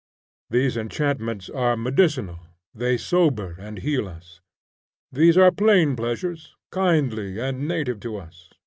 These enchantments are medicinal, they sober and heal us. These are plain pleasures, kindly and native to us.